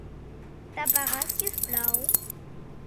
T'apagues, si us plau?